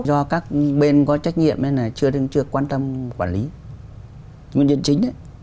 do các bên có trách nhiệm nên là chưa đứng trước quan tâm quản lý nguyên nhân chính đấy